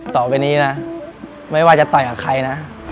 ต่อไปนี้นะไม่ว่าจะต่อยกับใครนะ